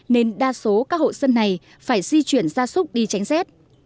nên đa số các hộ dân này phải di chuyển gia súc đi tránh rét